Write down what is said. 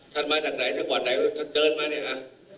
ท่านมาจากไหนท่านกว่าไหนท่านเดินมาเนี่ยอ่ะ